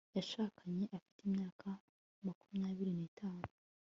yashakanye afite imyaka makumyabiri n'itanu